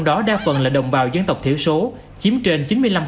đó đa phần là đồng bào dân tộc thiểu số chiếm trên chín mươi năm